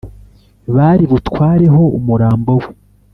bari butwareho umurambo we